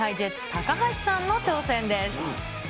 ・高橋さんの挑戦です。